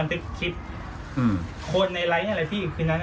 คุกข้าวให้หมาให้แมวอะครับ